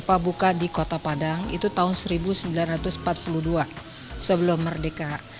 gempa buka di kota padang itu tahun seribu sembilan ratus empat puluh dua sebelum merdeka